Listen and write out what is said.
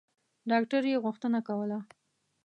ډاکټر یې غوښتنه کوله.